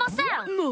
もう！